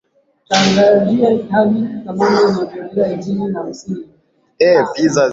ili mfanye kitu kwa misingi ya busara